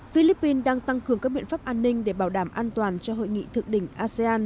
philippines đang tăng cường các biện pháp an ninh để bảo đảm an toàn cho hội nghị thượng đỉnh asean